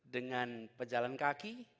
dengan pejalan kaki